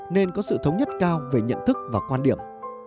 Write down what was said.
nên có sự thống nhất cao về nhận thức và quan điểm